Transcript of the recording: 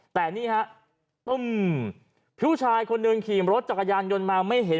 แต่นี่ฮะตุ้มผู้ชายคนหนึ่งขี่รถจักรยานยนต์มาไม่เห็น